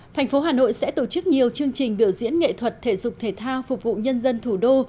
thành phố hà nội sẽ tổ chức nhiều chương trình biểu diễn nghệ thuật thể dục thể thao phục vụ nhân dân thủ đô